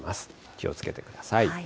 気をつけてください。